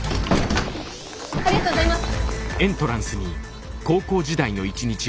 ありがとうございます。